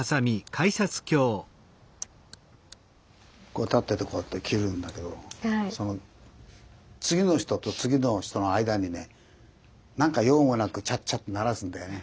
こう立っててこうやって切るんだけど次の人と次の人の間にねなんか用もなくチャッチャッと鳴らすんだよね。